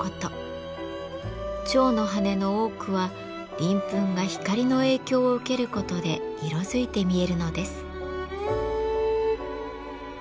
蝶の羽の多くは鱗粉が光の影響を受けることで色づいて見えるのです。